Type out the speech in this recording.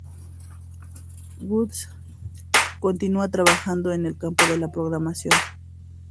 Woods continúa trabajando en el campo de la programación.